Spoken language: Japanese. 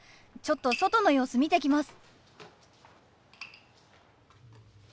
ちょっと外の様子見てきます。